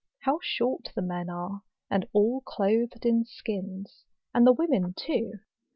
How short the men are, and all clothed in skins; and the women too